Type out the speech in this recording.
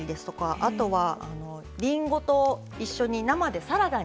あとはりんごと一緒に生でサラダに。